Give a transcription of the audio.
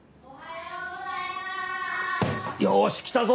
よし来たぞ！